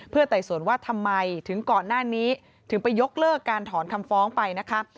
ไต่สวนว่าทำไมถึงก่อนหน้านี้ถึงไปยกเลิกการถอนคำฟ้องไปนะคะ